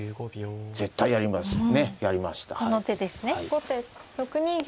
後手６二玉。